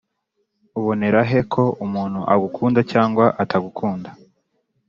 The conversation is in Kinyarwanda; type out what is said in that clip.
Ubonerahe ko umuntu agukunda cyangwa atagukunda